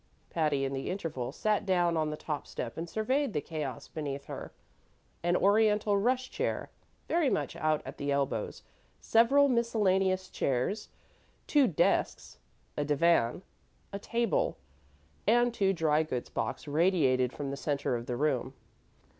Patty, in the interval, sat down on the top step and surveyed the chaos beneath her. An Oriental rush chair, very much out at the elbows, several miscellaneous chairs, two desks, a divan, a table, and two dry goods boxes radiated from the center of the room.